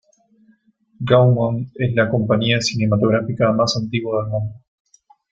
Gaumont es la compañía cinematográfica más antigua del mundo.